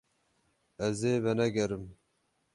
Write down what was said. Ez ê venegerim.